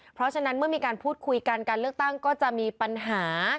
เพราะฉะนั้นเมื่อมีการพูดคุยกันการเลือกตั้งก็จะมีปัญหา